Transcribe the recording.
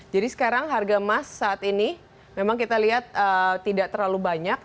jadi sekarang harga emas saat ini memang kita lihat tidak terlalu banyak